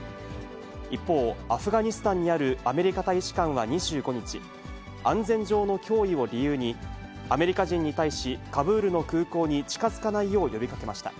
一方、アフガニスタンにあるアメリカ大使館は２５日、安全上の脅威を理由に、アメリカ人に対し、カブールの空港に近づかないよう呼びかけました。